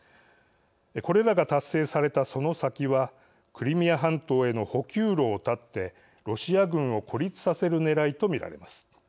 これらが達成されたその先はクリミア半島への補給路を断ってロシア軍を孤立させるねらいと見られます。